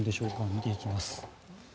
見ていきます。